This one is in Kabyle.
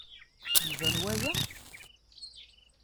Iban waya?